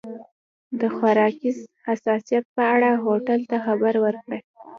د خوراکي حساسیت په اړه هوټل ته خبر ورکړه.